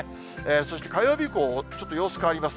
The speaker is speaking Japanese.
そして火曜日以降、ちょっと様子変わります。